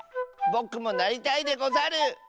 ぼくもなりたいでござる！